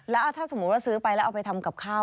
แล้วถ้าสมมุติว่าซื้อไปแล้วเอาไปทำกับข้าว